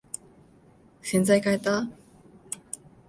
洗剤かえた？